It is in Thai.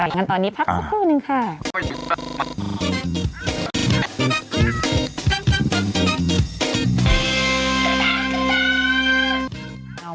อย่างนั้นตอนนี้พักสักครู่นึงค่ะ